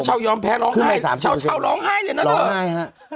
เชายอมแพ้ร้องไห้เชาร้องไห้นะเถอะ